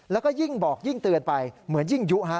แล้วก็ยิ่งบอกยิ่งเตือนไปเหมือนยิ่งยุฮะ